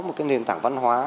một cái nền tảng văn hóa